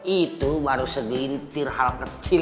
itu baru segelintir hal kecil